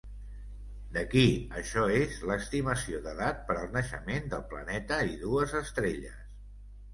D'aquí això és l'estimació d'edat per al naixement del planeta, i dues estrelles.